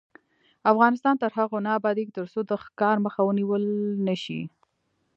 افغانستان تر هغو نه ابادیږي، ترڅو د ښکار مخه ونیول نشي.